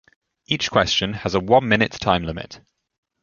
Each question has a one-minute time limit.